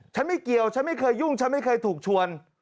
ไม่เกี่ยวฉันไม่เคยยุ่งฉันไม่เคยถูกชวน